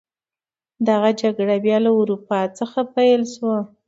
دغه جګړه بیا له اروپا څخه پیل شوه.